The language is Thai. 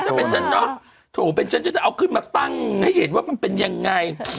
ถ้าเป็นฉันเนอะโถเป็นฉันฉันจะเอาขึ้นมาตั้งให้เห็นว่ามันเป็นยังไง